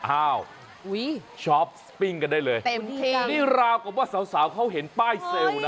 อ้าวช้อปปิ้งกันได้เลยเต็มที่นี่ราวกับว่าสาวเขาเห็นป้ายเซลล์นะ